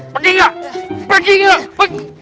pegi gak pegi gak pegi gak